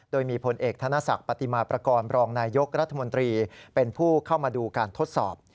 โดยมีผลเอกธนศักดิ์ปฏิมาประกอบรองนายยกรัฐมนตรีเป็นผู้เข้ามาดูการทดสอบ